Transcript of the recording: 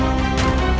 aku akan menang